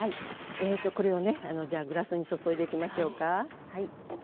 えっとこれをねじゃあグラスに注いでいきましょうか。